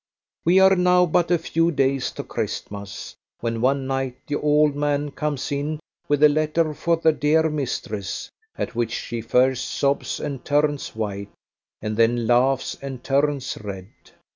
We are now but a few days to Christmas, when one night the old man comes in with a letter for the dear mistress, at which she first sobs and turns white, and then laughs and turns red.